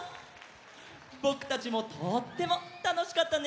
ぼくたちもとってもたのしかったね！